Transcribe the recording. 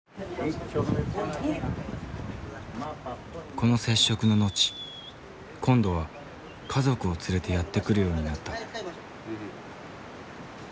この接触の後今度は家族を連れてやって来るようになった。